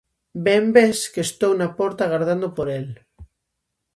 Ben ves que estou na porta agardando por el.